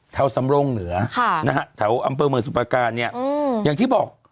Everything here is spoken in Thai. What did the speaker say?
สำรงเหนือแถวอำเภอเมืองสุประการเนี่ยอย่างที่บอก